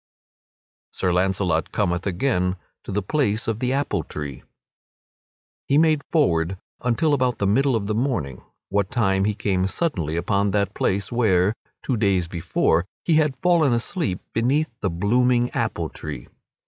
[Sidenote: Sir Launcelot cometh again to the place of the apple tree] He made forward until about the middle of the morning, what time he came suddenly upon that place where, two days before, he had fallen asleep beneath the blooming apple tree.